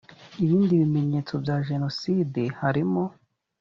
ibindi bimenyetso bya jenoside harimo